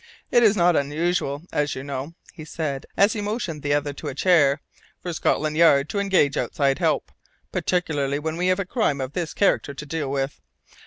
It is not unusual, as you know," he said, as he motioned the other to a chair, "for Scotland Yard to engage outside help, particularly when we have a crime of this character to deal with.